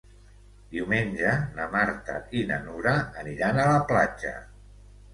Diumenge na Marta i na Nura aniran a la platja.